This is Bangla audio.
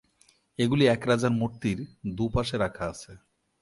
এগুলি এক রাজার মূর্তির দুপাশে রাখা আছে।